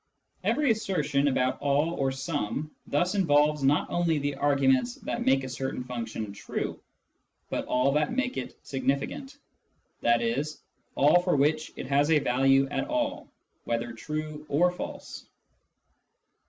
Every assertion about " all " or " some " thus involves not only the arguments that make a certain function true, but all that make it significant, i.e. all for which it has a value at all, whether true or false.